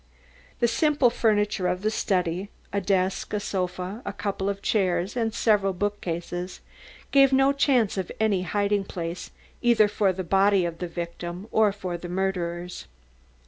The simple furniture of the study, a desk, a sofa, a couple of chairs and several bookcases, gave no chance of any hiding place either for the body of the victim or for the murderers.